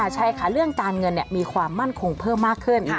ใช่ค่ะเรื่องการเงินมีความมั่นคงเพิ่มมากขึ้น